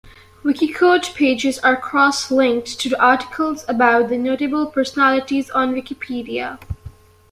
Wikiquote pages are cross-linked to articles about the notable personalities on Wikipedia.